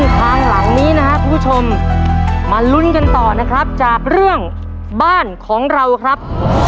ทางหลังนี้นะครับคุณผู้ชมมาลุ้นกันต่อนะครับจากเรื่องบ้านของเราครับ